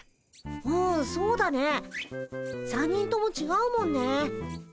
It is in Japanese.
うんそうだね３人ともちがうもんね。